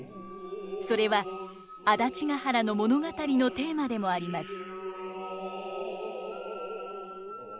それは「安達原」の物語のテーマでもあります。